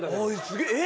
すげええ？